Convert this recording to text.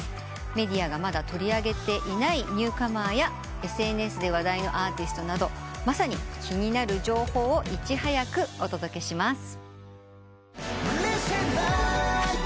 メディアがまだ取り上げていないニューカマーやＳＮＳで話題のアーティストなどまさに気になる情報をいち早くお届けします。